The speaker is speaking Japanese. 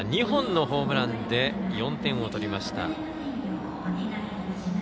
２本のホームランで４点を取りました。